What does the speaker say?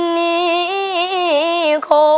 นี่คง